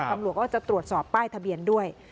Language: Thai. ตำรวจก็จะตรวจสอบป้ายทะเบียนด้วย